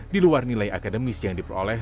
di luar nilai akademis yang diperoleh